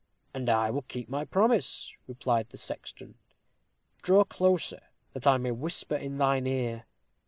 "And I will keep my promise," replied the sexton. "Draw closer, that I may whisper in thine ear.